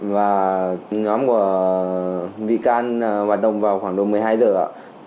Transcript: và nhóm của vị can hoạt động vào khoảng độ một mươi hai giờ